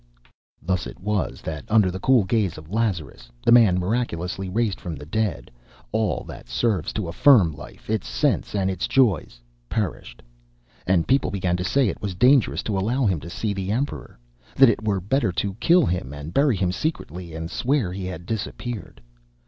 Thus it was that under the cool gaze of Lazarus, the man miraculously raised from the dead, all that serves to affirm life, its sense and its joys, perished. And people began to say it was dangerous to allow him to see the Emperor; that it were better to kill him and bury him secretly, and swear he had disappeared.